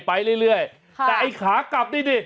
แต่ขากับนี่ดิ